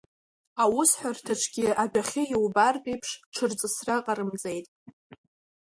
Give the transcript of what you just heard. Аусҳәарҭаҿгьы адәахьы иубартә еиԥш ҽырҵысра ҟарымҵеит.